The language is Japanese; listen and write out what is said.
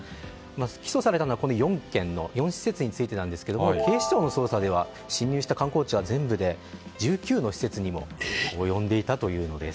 起訴されたのはこの４件４施設についてですが警視庁の捜査では侵入した官公庁は全部で１９の施設に及んでいたというのです。